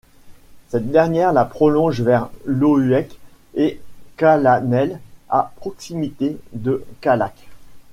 Cette dernière la prolonge vers Lohuec et Calanhel à proximité de Callac.